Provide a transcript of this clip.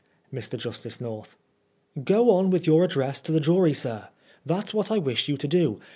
Mr. Justice North : Go on with your address to the jury, sir ; that's what I wish you to do.